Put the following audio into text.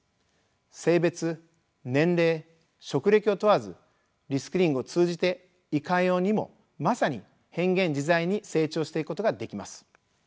性別・年齢・職歴を問わずリスキリングを通じていかようにもまさに変幻自在に成長していくことができます。